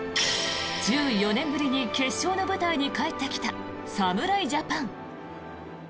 １４年ぶりに決勝の舞台に帰ってきた侍ジャパン。